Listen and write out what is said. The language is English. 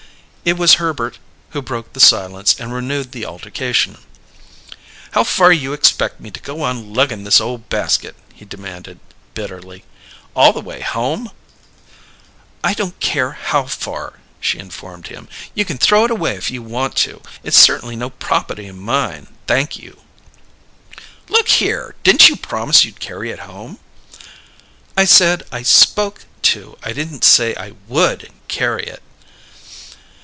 It was Herbert who broke the silence and renewed the altercation. "How far you expeck me to go on luggin' this ole basket?" he demanded bitterly. "All the way home?" "I don't care how far," she informed him. "You can throw it away if you want to. It's certainly no propaty of mine, thank you!" "Look here, didn't you promise you'd carry it home?" "I said I spoke to. I didn't say I would carry it."